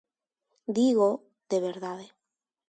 Dígoo de verdade.